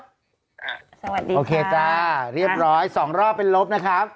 สวัสดีโอเคจ้าเรียบร้อยสองรอบเป็นลบนะครับ